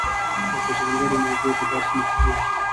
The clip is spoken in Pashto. او په ځانګړي موضوع کي درس مخته يوسي،